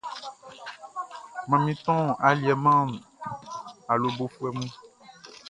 Manmin ton aliɛ man awlobofuɛ mun.